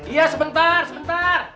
iya sebentar sebentar